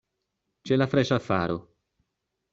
Ĉe la freŝa faro.